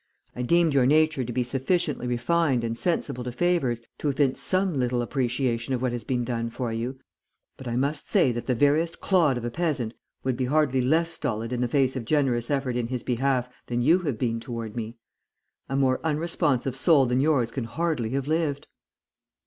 I deemed your nature to be sufficiently refined and sensible to favours to evince some little appreciation of what has been done for you, but I must say that the veriest clod of a peasant would be hardly less stolid in the face of generous effort in his behalf than you have been toward me. A more unresponsive soul than yours can hardly have lived.'